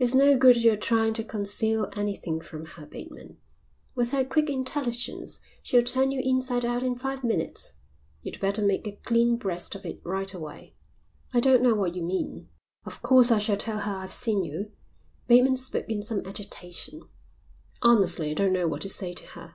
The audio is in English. "It's no good your trying to conceal anything from her, Bateman. With her quick intelligence she'll turn you inside out in five minutes. You'd better make a clean breast of it right away." "I don't know what you mean. Of course I shall tell her I've seen you." Bateman spoke in some agitation. "Honestly I don't know what to say to her."